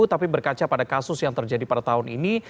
tapi berkaca pada kasus yang terjadi pada tahun ini